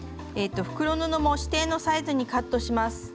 袋布も指定のサイズにカットします。